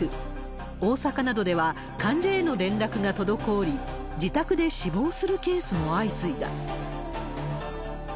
大阪などでは患者への連絡が滞り、自宅で死亡するケースも相次いだ。